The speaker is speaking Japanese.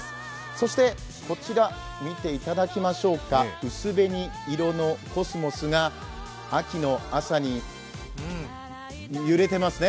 そして、こちら見ていただきましょうか、薄紅色のコスモスが秋の朝に揺れてますね。